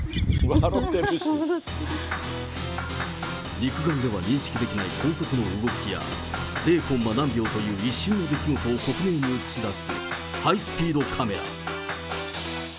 肉眼では認識できない高速の動きや０コンマ何秒という一瞬の動きを克明に映し出す、ハイスピードカメラ。